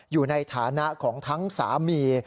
อยู่ในฐานะของทั้งสามี